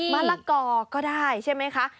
มะละกอก็ได้ใช่ไหมคะ